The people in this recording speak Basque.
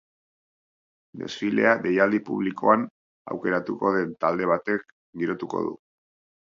Desfilea deialdi publikoan aukeratuko den talde batek girotuko du.